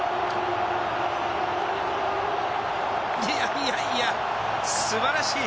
いやいや素晴らしい。